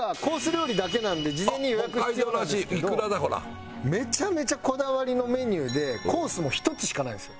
料理だけなんで事前に予約が必要なんですけどめちゃめちゃこだわりのメニューでコースも１つしかないんですよ。